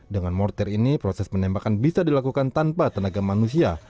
dengan mortir ini proses penembakan bisa dilakukan tanpa tenaga manusia